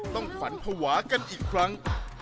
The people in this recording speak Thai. ต้องฝันภาวะกันอีกครั้ง